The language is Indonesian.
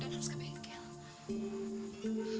dan harus ke bengkel